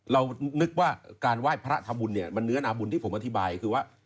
เรานึกว่าการไหว้พระทำบุญเนี่ยมันเนื้อนาบุญที่ผมอธิบายคือว่า